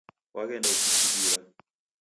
Waghenda ukichibira.